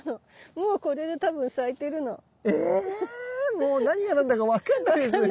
もう何が何だか分かんないですね